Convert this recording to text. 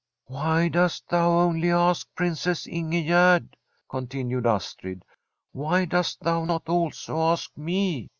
* Why dost thou only ask Princess Ingegerd ?* continued Astrid. ' Why dost thou not also ask me?